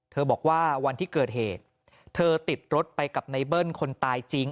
บอกว่าวันที่เกิดเหตุเธอติดรถไปกับในเบิ้ลคนตายจริง